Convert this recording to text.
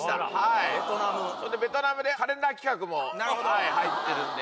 それでベトナムでカレンダー企画も入ってるんで。